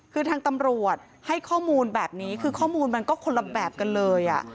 คือทางตำรวจให้ข้อมูลแบบนี้คือข้อมูลมันก็คนละแบบกันเลย